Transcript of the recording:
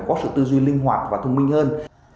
có sự tư duy linh hoạt và thông minh hơn